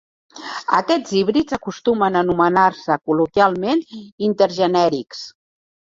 Aquests híbrids acostumen a anomenar-se col·loquialment intergenèrics.